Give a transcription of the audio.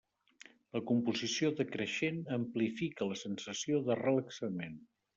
La composició decreixent amplifica la sensació de relaxament.